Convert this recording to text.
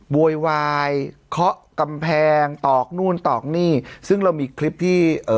โวยวายเคาะกำแพงตอกนู่นตอกนี่ซึ่งเรามีคลิปที่เอ่อ